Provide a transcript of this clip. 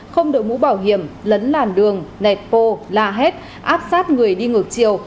không đội mũ bảo hiểm lấn làn đường nẹt pô la hét áp sát người đi ngược chiều